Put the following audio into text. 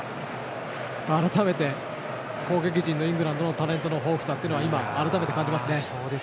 改めて、攻撃陣のイングランドのタレントの豊富さを感じますね。